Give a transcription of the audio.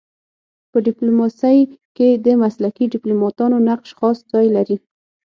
په ډيپلوماسی کي د مسلکي ډيپلوماتانو نقش خاص ځای لري.